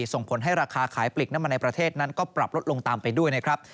ส่งผลให้ราคาขายปลีกน้ำมันในประเทศนั้นก็ปรับลดลงตามไปด้วยนะครับ